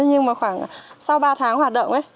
nhưng mà khoảng sau ba tháng hoạt động ấy